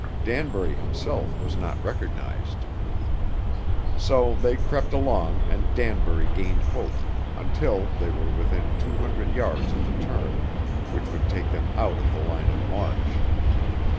Danbury himself was not recognized. So they crept along and Danbury gained hope, until they were within two hundred yards of the turn which would take them out of the line of march.